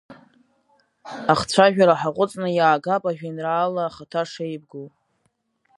Ахцәажәара ҳаҟәыҵны иаагап ажәеинраала ахаҭа шеибгоу.